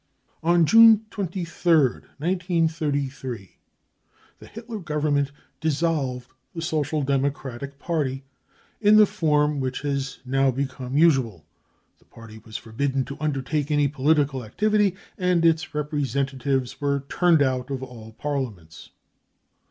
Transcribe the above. On June 23rd, 1933, the Hitler Government dissolved the Social Democratic Party in the form which has now become usual : the party was forbidden to undertake any political activity, and its representatives were turned out of all parliaments.